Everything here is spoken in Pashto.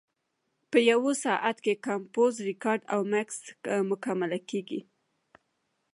په یو ساعت کې کمپوز، ریکارډ او مکس مکملېږي.